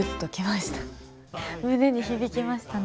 胸に響きましたね。